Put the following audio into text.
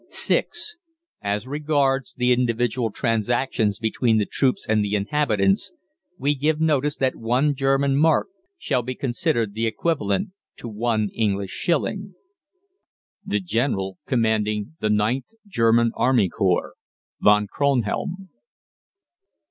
(6) AS REGARDS the individual transactions between the troops and the inhabitants, we give notice that one German mark shall be considered the equivalent to one English shilling. =The General Commanding the Ninth German Army Corps, VON KRONHELM.